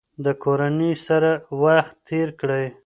د کورنۍ سره وخت تیر کړئ.